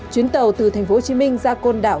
chuyến tàu từ tp hcm ra côn đảo